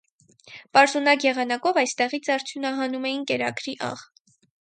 Պարզունակ եղանակով այստեից արդյունահանում էին կերակրի աղ։